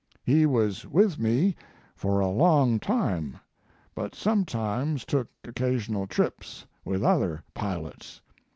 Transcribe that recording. He was with me for a long time, but sometimes took occasional trips with other pilots.